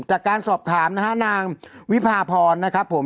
จากการสอบถามนะฮะนางวิพาพรนะครับผม